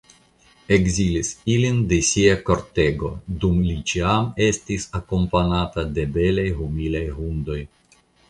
Ekzilis ilin de sia kortego, dum li ĉiam estis akompanata de belaj humilaj hundoj.